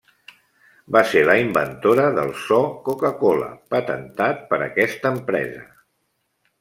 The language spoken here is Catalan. Va ser la inventora del so Coca-Cola, patentat per aquesta empresa.